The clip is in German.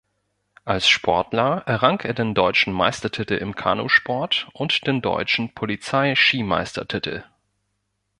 Als Sportler errang er den deutschen Meistertitel im Kanusport und den deutschen Polizei-Skimeistertitel.